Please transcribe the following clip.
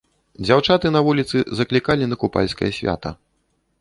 Дзяўчаты на вуліцы заклікалі на купальскае свята.